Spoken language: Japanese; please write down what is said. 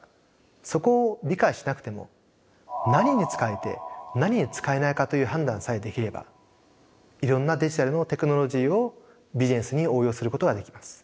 そこを理解しなくても何に使えて何に使えないかという判断さえできればいろんなデジタルのテクノロジーをビジネスに応用することができます。